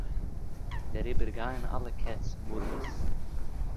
דעריבער גייען אַלע קעץ באָרוועס.